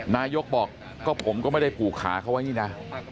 นายกบอกก็ผมก็ไม่ได้ผูกขาเขาไว้นี่นะ